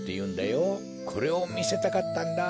これをみせたかったんだ。